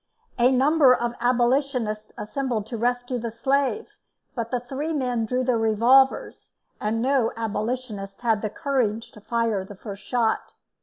A number of abolitionists assembled to rescue the slave, but the three men drew their revolvers, and no abolitionist had the courage to fire the first shot.